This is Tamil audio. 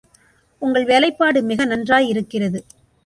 உங்கள் வேலைப்பாடு மிக நன்றாயிருக்கிறது.